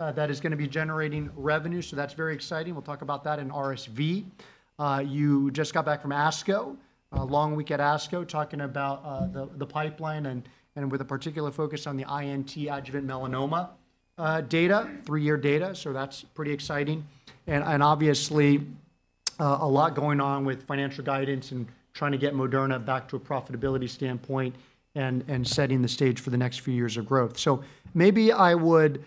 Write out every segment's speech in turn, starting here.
That is going to be generating revenue. So that's very exciting. We'll talk about that in RSV. You just got back from ASCO, a long week at ASCO, talking about the pipeline and with a particular focus on the INT adjuvant melanoma data, three-year data. So that's pretty exciting. And obviously, a lot going on with financial guidance and trying to get Moderna back to a profitability standpoint and setting the stage for the next few years of growth. So maybe I would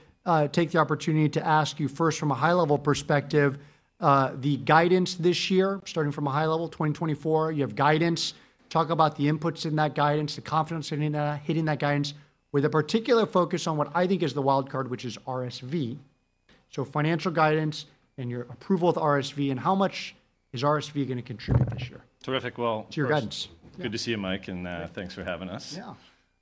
take the opportunity to ask you first, from a high-level perspective, the guidance this year, starting from a high level, 2024. You have guidance. Talk about the inputs in that guidance, the confidence in hitting that guidance, with a particular focus on what I think is the wild card, which is RSV. Financial guidance and your approval with RSV, and how much is RSV going to contribute this year? Terrific. Well. It's your guidance. Good to see you, Mike, and thanks for having us. Yeah.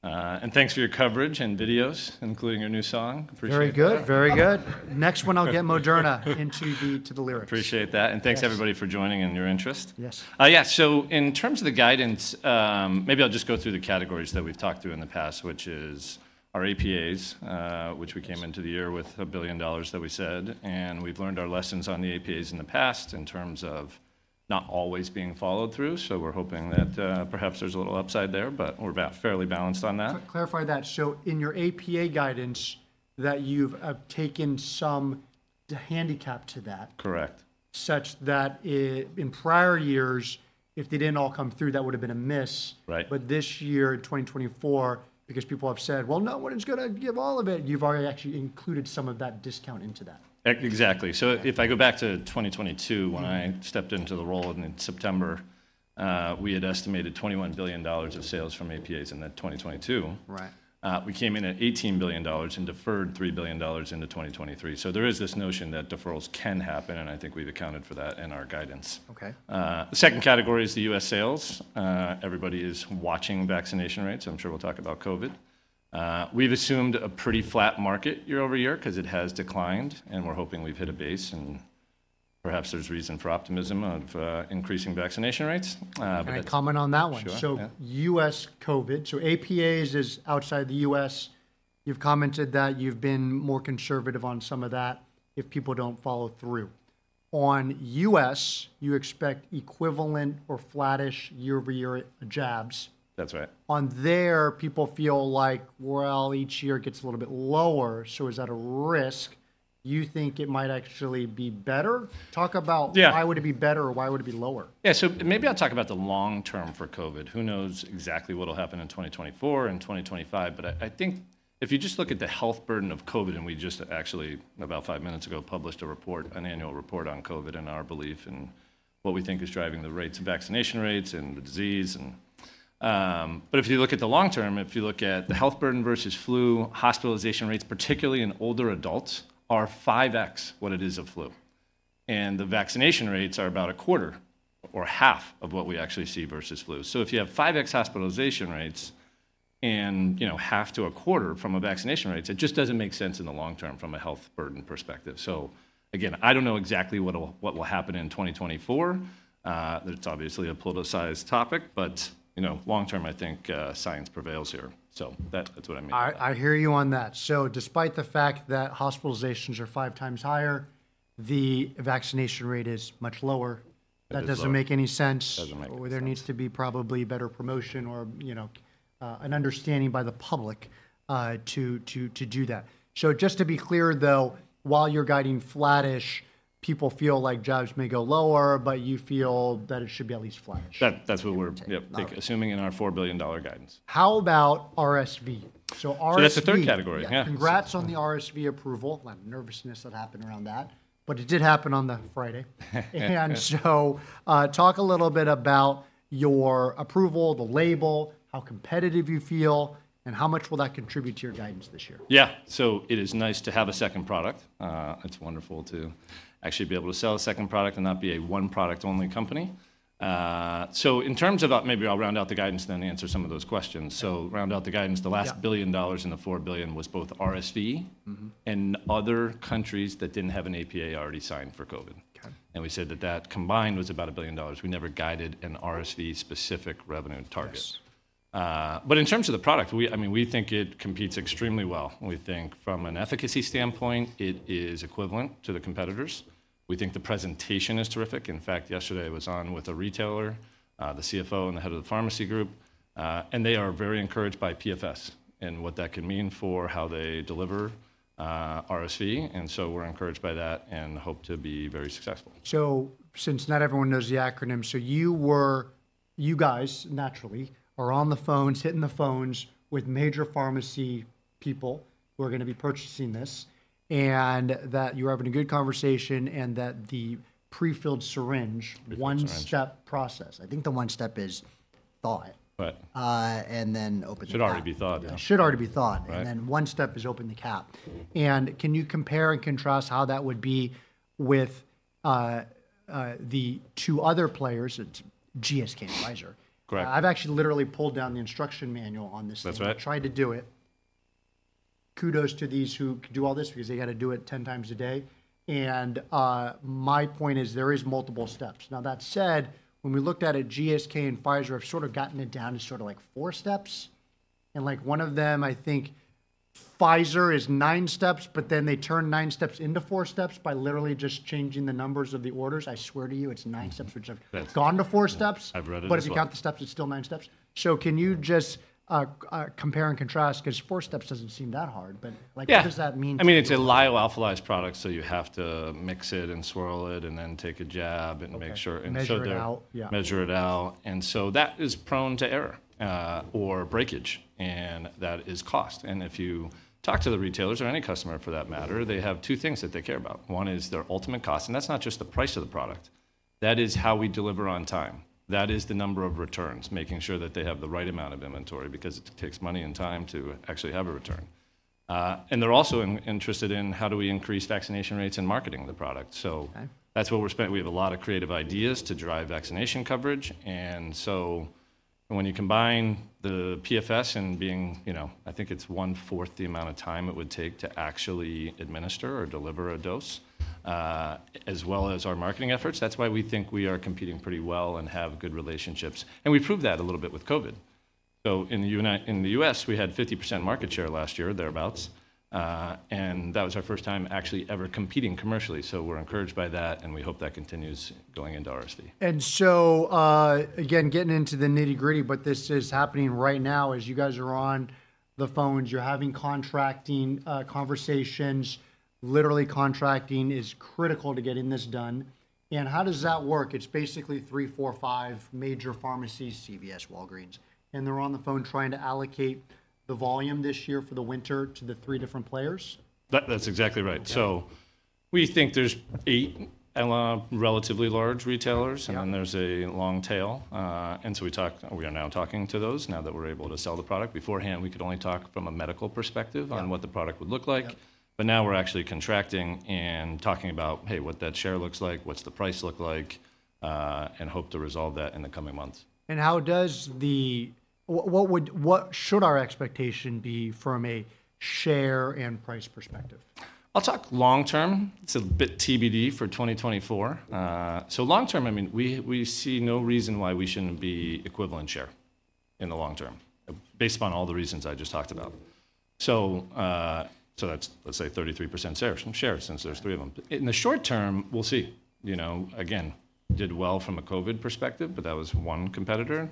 Thanks for your coverage and videos, including your new song. Appreciate it. Very good. Very good. Next one, I'll get Moderna into the lyrics. Appreciate that. Thanks, everybody, for joining and your interest. Yes. Yeah. So in terms of the guidance, maybe I'll just go through the categories that we've talked through in the past, which is our APAs, which we came into the year with $1 billion that we said. And we've learned our lessons on the APAs in the past in terms of not always being followed through. So we're hoping that perhaps there's a little upside there, but we're fairly balanced on that. Clarify that. So in your APA guidance, that you've taken some handicap to that. Correct. Such that in prior years, if they didn't all come through, that would have been a miss. Right. But this year, 2024, because people have said, well, no one is going to give all of it, you've already actually included some of that discount into that. Exactly. So if I go back to 2022, when I stepped into the role in September, we had estimated $21 billion of sales from APAs in that 2022. Right. We came in at $18 billion and deferred $3 billion into 2023. So there is this notion that deferrals can happen, and I think we've accounted for that in our guidance. Okay. The second category is the U.S. sales. Everybody is watching vaccination rates. I'm sure we'll talk about COVID. We've assumed a pretty flat market year-over-year because it has declined, and we're hoping we've hit a base. Perhaps there's reason for optimism of increasing vaccination rates. Can I comment on that one? Sure. So U.S. COVID, so APAs is outside the U.S. You've commented that you've been more conservative on some of that if people don't follow through. On U.S., you expect equivalent or flattish year-over-year jabs. That's right. On there, people feel like, well, each year it gets a little bit lower. So is that a risk? You think it might actually be better? Talk about. Yeah. Why would it be better or why would it be lower? Yeah. So maybe I'll talk about the long term for COVID. Who knows exactly what will happen in 2024 and 2025? But I think if you just look at the health burden of COVID, and we just actually, about 5 minutes ago, published a report, an annual report on COVID and our belief in what we think is driving the rates of vaccination rates and the disease. But if you look at the long term, if you look at the health burden versus flu, hospitalization rates, particularly in older adults, are 5x what it is of flu. And the vaccination rates are about a quarter or half of what we actually see versus flu. So if you have 5x hospitalization rates and half to a quarter from vaccination rates, it just doesn't make sense in the long term from a health burden perspective. So again, I don't know exactly what will happen in 2024. It's obviously a politicized topic, but long term, I think science prevails here. So that's what I mean. I hear you on that. Despite the fact that hospitalizations are 5 times higher, the vaccination rate is much lower. That doesn't make any sense. It doesn't make any sense. There needs to be probably better promotion or an understanding by the public to do that. Just to be clear, though, while you're guiding flattish, people feel like jobs may go lower, but you feel that it should be at least flattish. That's what we're assuming in our $4 billion guidance. How about RSV? So RSV. That's the third category. Yeah. Congrats on the RSV approval. A lot of nervousness that happened around that, but it did happen on the Friday. And so talk a little bit about your approval, the label, how competitive you feel, and how much will that contribute to your guidance this year? Yeah. So it is nice to have a second product. It's wonderful to actually be able to sell a second product and not be a one product-only company. So in terms of maybe I'll round out the guidance then and answer some of those questions. So round out the guidance. The last $1 billion in the $4 billion was both RSV and other countries that didn't have an APA already signed for COVID. And we said that that combined was about $1 billion. We never guided an RSV-specific revenue target. But in terms of the product, I mean, we think it competes extremely well. We think from an efficacy standpoint, it is equivalent to the competitors. We think the presentation is terrific. In fact, yesterday I was on with a retailer, the CFO and the head of the pharmacy group, and they are very encouraged by PFS and what that can mean for how they deliver RSV. We're encouraged by that and hope to be very successful. So, since not everyone knows the acronym, so you guys, naturally, are on the phones, hitting the phones with major pharmacy people who are going to be purchasing this, and that you're having a good conversation and that the prefilled syringe, one-step process. I think the one step is thaw it. Right. Then open the cap. Should already be thawed. Should already be thawed. Then one step is open the cap. Can you compare and contrast how that would be with the two other players? It's GSK and Pfizer. Correct. I've actually literally pulled down the instruction manual on this and tried to do it. Kudos to these who do all this because they got to do it 10 times a day. My point is there is multiple steps. Now, that said, when we looked at it, GSK and Pfizer have sort of gotten it down to sort of like four steps. Like one of them, I think Pfizer is nine steps, but then they turn nine steps into four steps by literally just changing the numbers of the orders. I swear to you, it's nine steps, which have gone to four steps. I've read it. If you count the steps, it's still nine steps. Can you just compare and contrast? Because four steps doesn't seem that hard. What does that mean? I mean, it's a lyophilized product, so you have to mix it and swirl it and then take a jab and make sure. Measure it out. Measure it out. And so that is prone to error or breakage, and that is cost. And if you talk to the retailers or any customer for that matter, they have two things that they care about. One is their ultimate cost. And that's not just the price of the product. That is how we deliver on time. That is the number of returns, making sure that they have the right amount of inventory because it takes money and time to actually have a return. And they're also interested in how do we increase vaccination rates and marketing the product. So that's what we're spending on. We have a lot of creative ideas to drive vaccination coverage. And so when you combine the PFS and being, I think it's one-fourth the amount of time it would take to actually administer or deliver a dose, as well as our marketing efforts, that's why we think we are competing pretty well and have good relationships. And we proved that a little bit with COVID. So in the U.S., we had 50% market share last year, thereabouts. And that was our first time actually ever competing commercially. So we're encouraged by that, and we hope that continues going into RSV. So again, getting into the nitty-gritty, but this is happening right now as you guys are on the phones. You're having contracting conversations. Literally, contracting is critical to getting this done. How does that work? It's basically three, four, five major pharmacies, CVS, Walgreens. They're on the phone trying to allocate the volume this year for the winter to the three different players? That's exactly right. So we think there's 8 relatively large retailers, and then there's a long tail. And so we are now talking to those now that we're able to sell the product. Beforehand, we could only talk from a medical perspective on what the product would look like. But now we're actually contracting and talking about, hey, what that share looks like, what's the price look like, and hope to resolve that in the coming months. How does what should our expectation be from a share and price perspective? I'll talk long term. It's a bit TBD for 2024. So long term, I mean, we see no reason why we shouldn't be equivalent share in the long term, based upon all the reasons I just talked about. So that's, let's say, 33% share since there's three of them. In the short term, we'll see. Again, did well from a COVID perspective, but that was one competitor.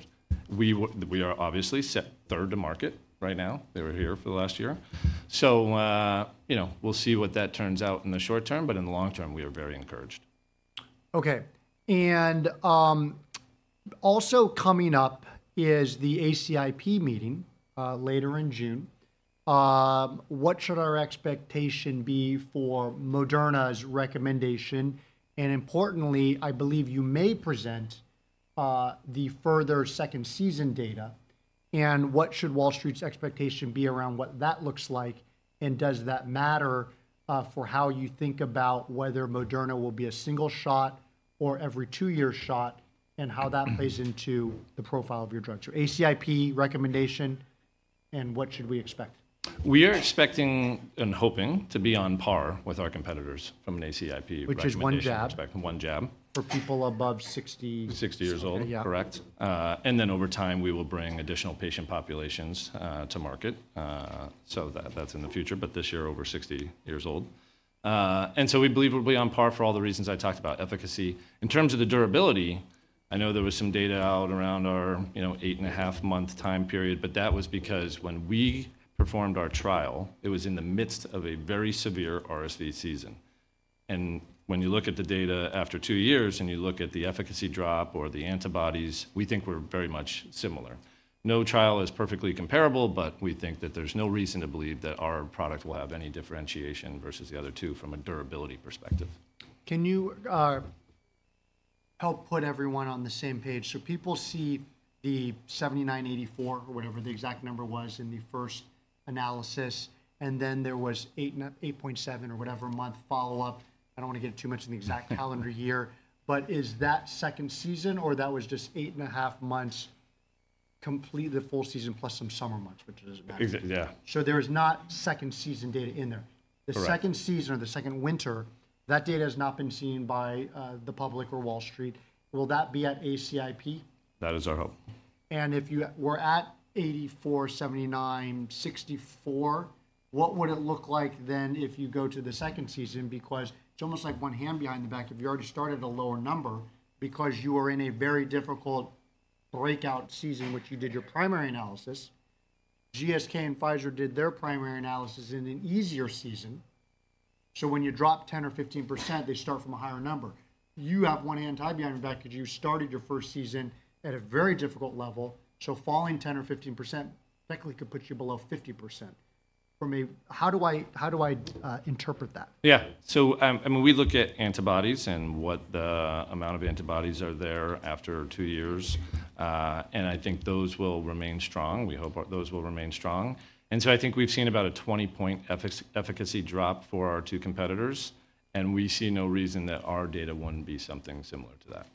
We are obviously third to market right now. They were here for the last year. So we'll see what that turns out in the short term, but in the long term, we are very encouraged. Okay. And also coming up is the ACIP meeting later in June. What should our expectation be for Moderna's recommendation? And importantly, I believe you may present the further second season data. And what should Wall Street's expectation be around what that looks like? And does that matter for how you think about whether Moderna will be a single shot or every two-year shot and how that plays into the profile of your drugs? So ACIP recommendation and what should we expect? We are expecting and hoping to be on par with our competitors from an ACIP perspective. Which is one jab. One jab. For people above 60. 60 years old. Yeah. Correct. And then over time, we will bring additional patient populations to market. So that's in the future, but this year, over 60 years old. And so we believe we'll be on par for all the reasons I talked about, efficacy. In terms of the durability, I know there was some data out around our 8.5-month time period, but that was because when we performed our trial, it was in the midst of a very severe RSV season. And when you look at the data after 2 years and you look at the efficacy drop or the antibodies, we think we're very much similar. No trial is perfectly comparable, but we think that there's no reason to believe that our product will have any differentiation versus the other two from a durability perspective. Can you help put everyone on the same page? So people see the 79.84 or whatever the exact number was in the first analysis, and then there was 8.7 or whatever month follow-up. I don't want to get too much in the exact calendar year, but is that second season or that was just eight and a half months complete the full season plus some summer months, which is magic. Exactly. Yeah. There is not second season data in there. Correct. The second season or the second winter, that data has not been seen by the public or Wall Street. Will that be at ACIP? That is our hope. If you were at 84, 79, 64, what would it look like then if you go to the second season? Because it's almost like one hand behind the back. If you already started at a lower number because you were in a very difficult breakout season, which you did your primary analysis, GSK and Pfizer did their primary analysis in an easier season. So when you drop 10% or 15%, they start from a higher number. You have one hand behind the back because you started your first season at a very difficult level. So falling 10% or 15% technically could put you below 50%. How do I interpret that? Yeah. So I mean, we look at antibodies and what the amount of antibodies are there after two years. And I think those will remain strong. We hope those will remain strong. And so I think we've seen about a 20-point efficacy drop for our two competitors. And we see no reason that our data wouldn't be something similar to that.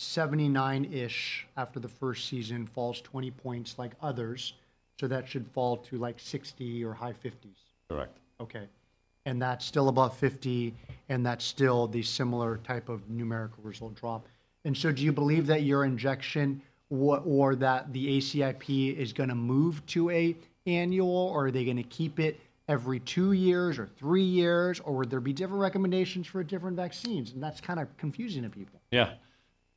So 79-ish after the first season falls 20 points like others. So that should fall to like 60 or high 50s. Correct. Okay. And that's still above 50, and that's still the similar type of numerical result drop. And so do you believe that your injection or that the ACIP is going to move to an annual, or are they going to keep it every two years or three years, or would there be different recommendations for different vaccines? And that's kind of confusing to people. Yeah.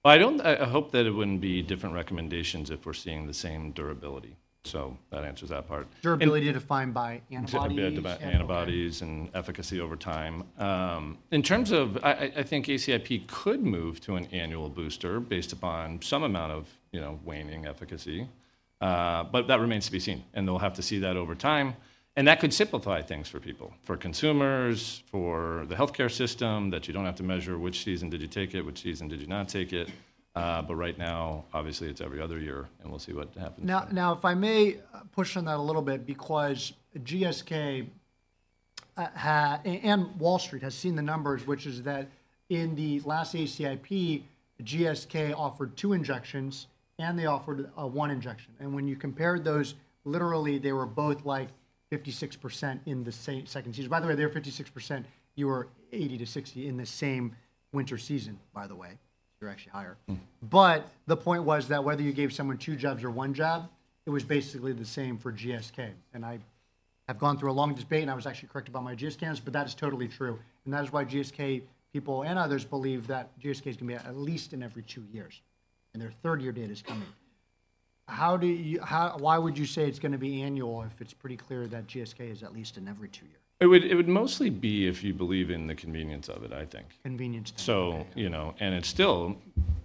I hope that it wouldn't be different recommendations if we're seeing the same durability. So that answers that part. Durability defined by antibodies. Antibodies and efficacy over time. In terms of I think ACIP could move to an annual booster based upon some amount of waning efficacy, but that remains to be seen. They'll have to see that over time. That could simplify things for people, for consumers, for the healthcare system, that you don't have to measure which season did you take it, which season did you not take it. But right now, obviously, it's every other year, and we'll see what happens. Now, if I may push on that a little bit, because GSK and Wall Street have seen the numbers, which is that in the last ACIP, GSK offered two injections, and they offered one injection. When you compared those, literally, they were both like 56% in the second season. By the way, they were 56%. You were 80%-60% in the same winter season, by the way. You're actually higher. But the point was that whether you gave someone two jabs or one jab, it was basically the same for GSK. I have gone through a long debate, and I was actually corrected by my GSK analyst, but that is totally true. That is why GSK people and others believe that GSK is going to be at least in every two years, and their third-year data is coming. Why would you say it's going to be annual if it's pretty clear that GSK is at least in every two years? It would mostly be if you believe in the convenience of it, I think. Convenience thing. It's still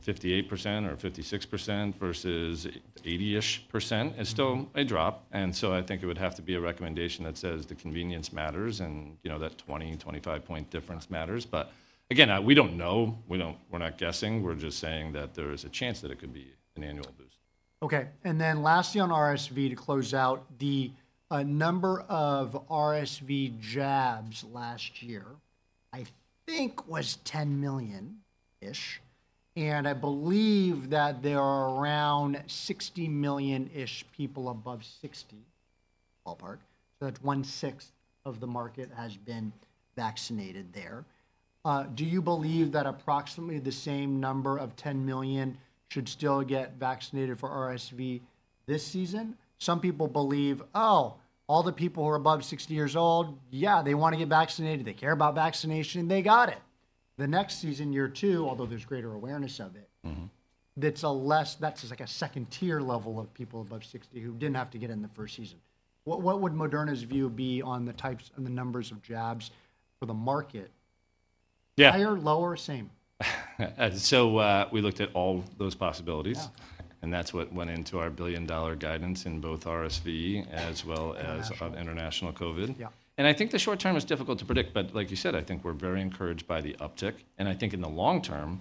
58% or 56% versus 80-ish%. It's still a drop. So I think it would have to be a recommendation that says the convenience matters and that 20, 25-point difference matters. But again, we don't know. We're not guessing. We're just saying that there is a chance that it could be an annual boost. Okay. Then lastly on RSV, to close out, the number of RSV jabs last year, I think, was 10 million-ish. I believe that there are around 60 million-ish people above 60, ballpark. So that's one-sixth of the market has been vaccinated there. Do you believe that approximately the same number of 10 million should still get vaccinated for RSV this season? Some people believe, oh, all the people who are above 60 years old, yeah, they want to get vaccinated. They got it. The next season, year two, although there's greater awareness of it, that's like a second-tier level of people above 60 who didn't have to get in the first season. What would Moderna's view be on the types and the numbers of jabs for the market? Higher, lower, same. We looked at all those possibilities, and that's what went into our billion-dollar guidance in both RSV as well as on international COVID. I think the short term is difficult to predict, but like you said, I think we're very encouraged by the uptick. I think in the long term,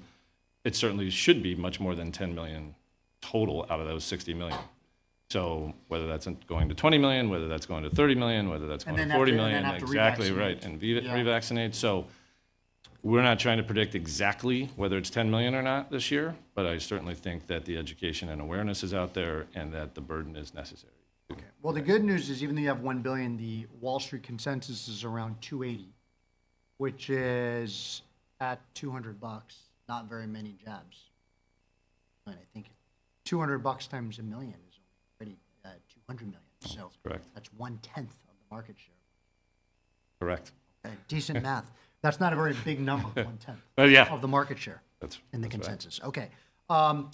it certainly should be much more than 10 million total out of those 60 million. Whether that's going to 20 million, whether that's going to 30 million, whether that's going to 40 million. And then after re-vaccinate. Exactly right. And re-vaccinate. So we're not trying to predict exactly whether it's 10 million or not this year, but I certainly think that the education and awareness is out there and that the burden is necessary. Okay. Well, the good news is even though you have $1 billion, the Wall Street consensus is around $280 million, which is at $200 bucks, not very many jabs. I think $200 bucks times 1 million is already $200 million. That's correct. That's 1/10 of the market share. Correct. Okay. Decent math. That's not a very big number, 1/10 of the market share in the consensus. That's correct. Okay.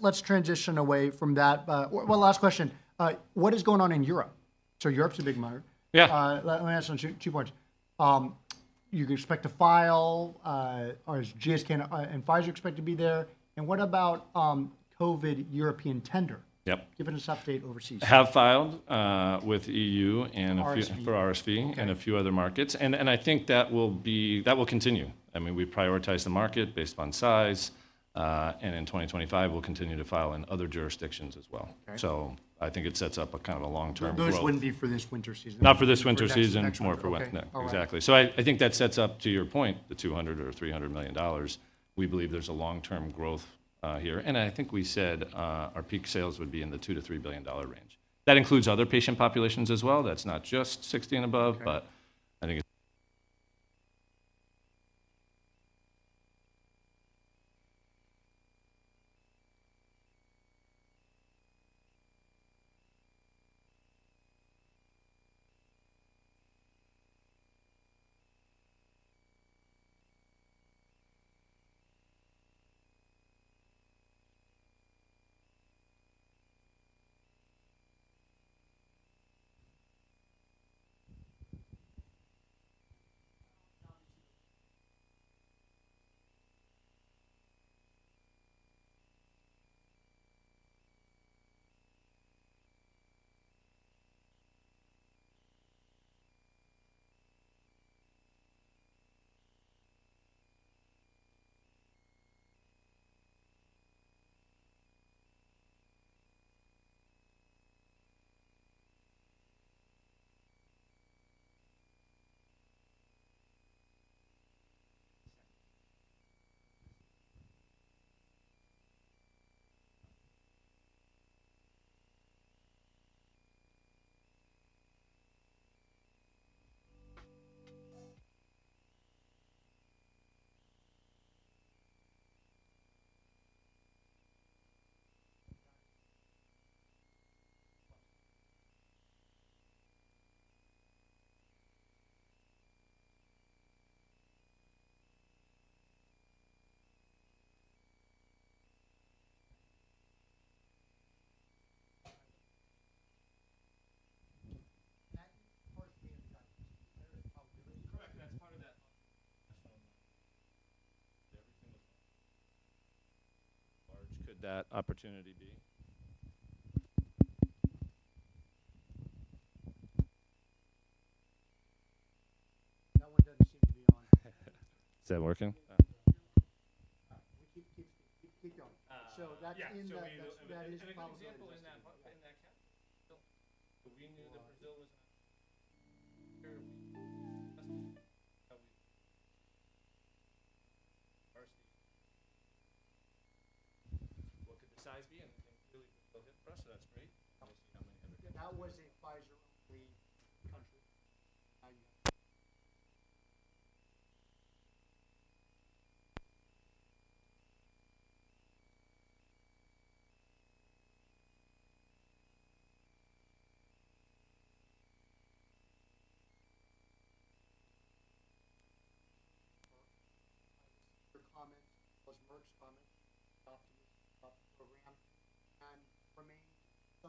Let's transition away from that. One last question. What is going on in Europe? So Europe's a big market. Yeah. Let me ask you two points. You can expect to file. Are GSK and Pfizer expected to be there? What about COVID European tender? Give us an update overseas. Have filed with EU for RSV and a few other markets. I think that will continue. I mean, we prioritize the market based upon size. In 2025, we'll continue to file in other jurisdictions as well. So I think it sets up a kind of a long-term growth. Those wouldn't be for this winter season. Not for this winter season, more for winter. Exactly. So I think that sets up, to your point, the $200 million or $300 million. We believe there's a long-term growth here. And I think we said our peak sales would be in the $2-$3 billion range. That includes other patient populations as well. That's not just 60 and above, but I think it's. Merck. Could that opportunity be? That one doesn't seem to be on. Is that working?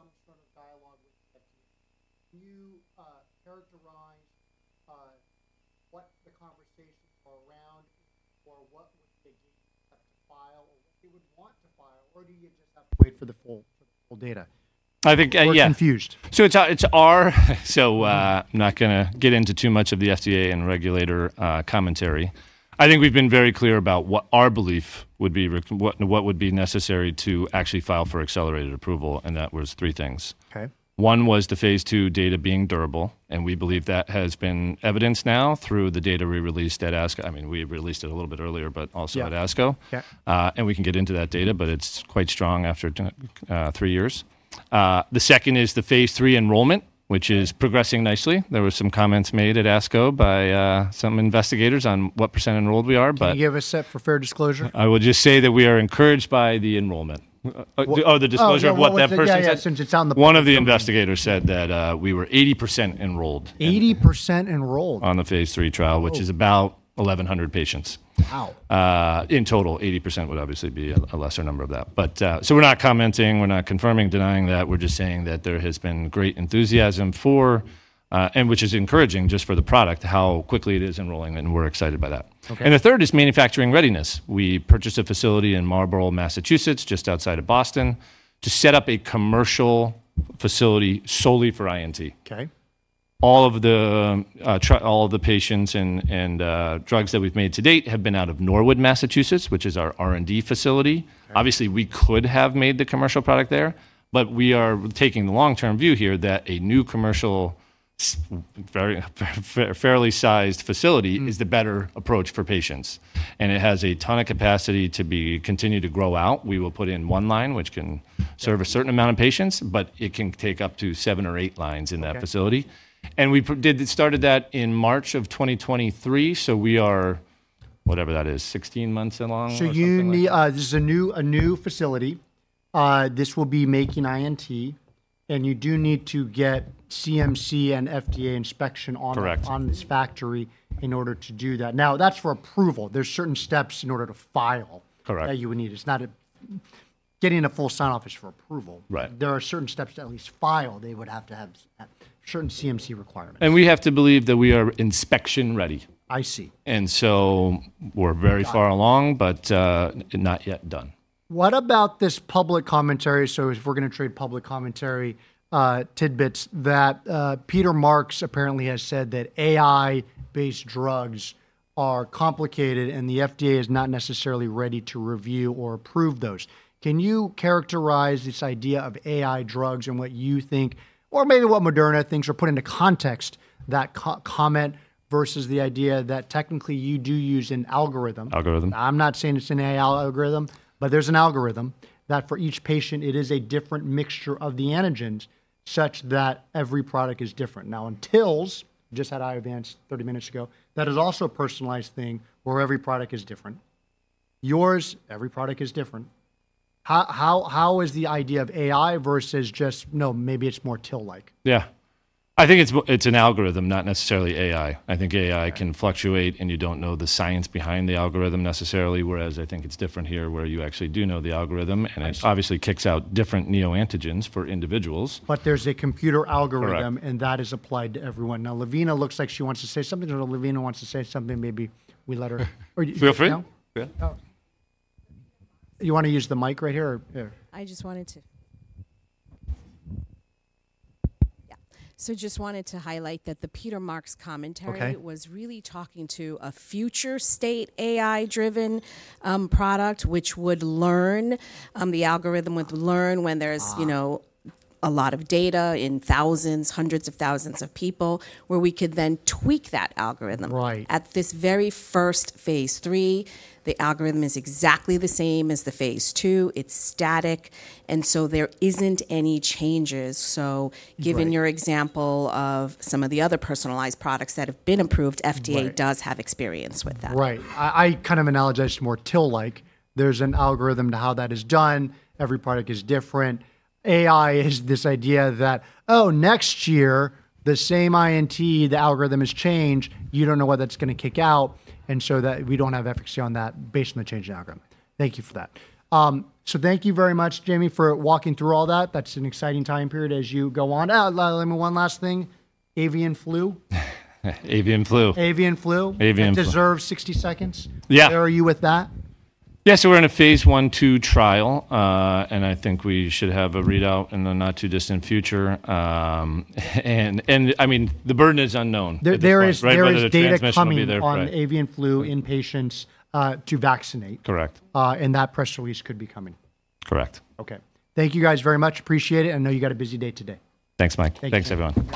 All right. Keep going. So that's in that. That is probably in that. We knew that Brazil was not going to be here. We knew that RSV. What could the size be? Clearly, Brazil hit the press, so that's great. We'll see how many ever get there. That was a Pfizer-only country. I was. Your comment was Merck's comment. Optimistic about the program and remained in some sort of dialogue with the FDA.Can you characterize what the conversations are around or what would they be expected to file or what they would want to file, or do you just have to wait for the full data? I think, yeah. You're confused. So I'm not going to get into too much of the FDA and regulator commentary. I think we've been very clear about what our belief would be, what would be necessary to actually file for accelerated approval, and that was three things. One was the phase two data being durable, and we believe that has been evidenced now through the data we released at ASCO. I mean, we released it a little bit earlier, but also at ASCO. We can get into that data, but it's quite strong after three years. The second is the phase three enrollment, which is progressing nicely. There were some comments made at ASCO by some investigators on what % enrolled we are, but. Can you give us that for fair disclosure? I would just say that we are encouraged by the enrollment. Oh, the disclosure of what that person said. That's a good question. It's on the. One of the investigators said that we were 80% enrolled. 80% enrolled. On the phase 3 trial, which is about 1,100 patients. Wow. In total, 80% would obviously be a lesser number of that. So we're not commenting. We're not confirming, denying that. We're just saying that there has been great enthusiasm for, and which is encouraging just for the product, how quickly it is enrolling, and we're excited by that. And the third is manufacturing readiness. We purchased a facility in Marlborough, Massachusetts, just outside of Boston, to set up a commercial facility solely for INT. All of the patients and drugs that we've made to date have been out of Norwood, Massachusetts, which is our R&D facility. Obviously, we could have made the commercial product there, but we are taking the long-term view here that a new commercial, fairly sized facility is the better approach for patients. And it has a ton of capacity to continue to grow out. We will put in 1 line, which can serve a certain amount of patients, but it can take up to 7 or 8 lines in that facility. We started that in March of 2023, so we are, whatever that is, 16 months along. So this is a new facility. This will be making INT, and you do need to get CMC and FDA inspection on this factory in order to do that. Now, that's for approval. There's certain steps in order to file that you would need. It's not getting a full sign-off is for approval. There are certain steps to at least file. They would have to have certain CMC requirements. We have to believe that we are inspection-ready. I see. We're very far along, but not yet done. What about this public commentary? So if we're going to trade public commentary tidbits, that Peter Marks apparently has said that AI-based drugs are complicated, and the FDA is not necessarily ready to review or approve those. Can you characterize this idea of AI drugs and what you think, or maybe what Moderna thinks or put into context that comment versus the idea that technically you do use an algorithm? Algorithm. I'm not saying it's an AI algorithm, but there's an algorithm that for each patient, it is a different mixture of the antigens such that every product is different. Now, in TILs, just had Iovance 30 minutes ago, that is also a personalized thing where every product is different. Yours, every product is different. How is the idea of AI versus just, no, maybe it's more TIL-like? Yeah. I think it's an algorithm, not necessarily AI. I think AI can fluctuate, and you don't know the science behind the algorithm necessarily, whereas I think it's different here where you actually do know the algorithm, and it obviously kicks out different neoantigens for individuals. But there's a computer algorithm, and that is applied to everyone. Now, Lavina looks like she wants to say something, or Lavina wants to say something, maybe we let her. Feel free. You want to use the mic right here or here? Yeah. So just wanted to highlight that the Peter Marks commentary was really talking to a future state AI-driven product, which would learn. The algorithm would learn when there's a lot of data in thousands, hundreds of thousands of people, where we could then tweak that algorithm. At this very first phase 3, the algorithm is exactly the same as the phase 2. It's static, and so there isn't any changes. So given your example of some of the other personalized products that have been approved, FDA does have experience with that. Right. I kind of analogized it more TIL-like. There's an algorithm to how that is done. Every product is different. AI is this idea that, oh, next year, the same INT, the algorithm has changed. You don't know whether it's going to kick out. And so that we don't have efficacy on that based on the change in algorithm. Thank you for that. So thank you very much, Jamey, for walking through all that. That's an exciting time period as you go on. Let me one last thing. Avian flu? Avian flu. Avian flu. Avian flu. That deserves 60 seconds. Yeah. Are you with that? Yeah. We're in a phase 1/2 trial, and I think we should have a readout in the not-too-distant future. I mean, the burden is unknown. There is data coming on Avian flu in patients to vaccinate. Correct. That press release could be coming. Correct. Okay. Thank you guys very much. Appreciate it. I know you got a busy day today. Thanks, Mike. Thank you. Thanks, everyone.